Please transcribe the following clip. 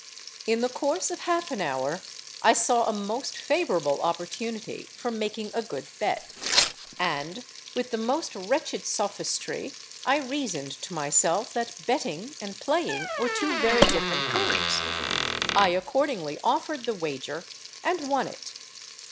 In the course of half an hour I saw a most favourable opportunity for making a good bet; and, with the most wretched sophistry, I reasoned to myself that betting and playing were two very different things. I accordingly offered the wager, and won it.